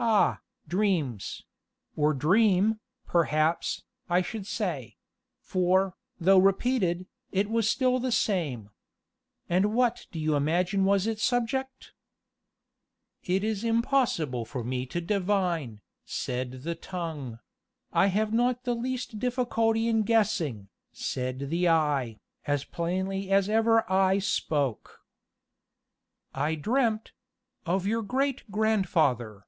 "Ah, dreams or dream, perhaps, I should say; for, though repeated, it was still the same. And what do you imagine was its subject?" "It is impossible for me to divine," said the tongue; "I have not the least difficulty in guessing," said the eye, as plainly as ever eye spoke. "I dreamt of your great grandfather!"